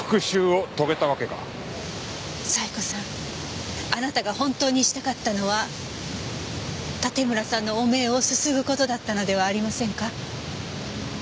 冴子さんあなたが本当にしたかったのは盾村さんの汚名をすすぐ事だったのではありませんか？